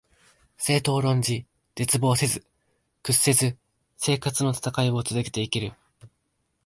政党を論じ、絶望せず、屈せず生活のたたかいを続けて行ける